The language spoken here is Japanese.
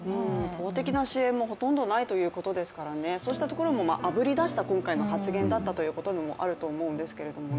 法的な支援もほとんどないということですからね、そうしたこともあぶり出した今回の発言だったというところもあると思うんですけどね。